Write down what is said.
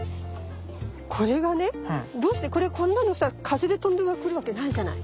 これがねどうしてこれこんなのさ風で飛んでくるわけないじゃない。